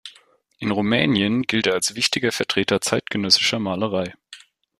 In Rumänien gilt er als wichtiger Vertreter zeitgenössischer Malerei.